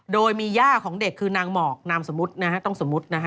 โดยมีย่าของเด็กคือนางหมอกนามสมมุตินะฮะต้องสมมุตินะฮะ